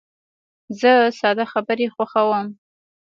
زه ساده خبرې خوښوم.